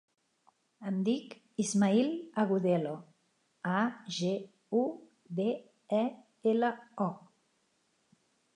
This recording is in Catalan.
Em dic Ismaïl Agudelo: a, ge, u, de, e, ela, o.